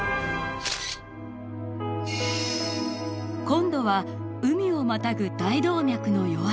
今度は海をまたぐ大動脈の夜明け。